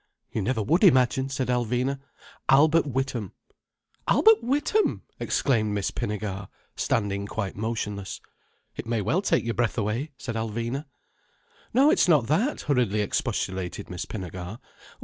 "You never would imagine," said Alvina. "Albert Witham." "Albert Witham!" exclaimed Miss Pinnegar, standing quite motionless. "It may well take your breath away," said Alvina. "No, it's not that!" hurriedly expostulated Miss Pinnegar.